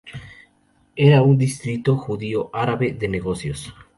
Era un distrito judío-árabe de negocios.